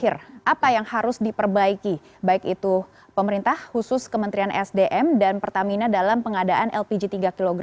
apa yang harus diperbaiki baik itu pemerintah khusus kementerian sdm dan pertamina dalam pengadaan lpg tiga kg